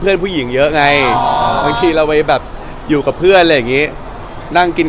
พวกพี่พี่อะไรอย่างเงี้ย